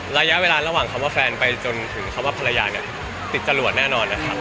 ระยะเวลาระหว่างคำว่าแฟนไปจนถึงคำว่าภรรยาเนี่ยติดจรวดแน่นอนนะครับ